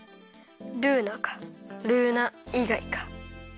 ルーナかルーナいがいか。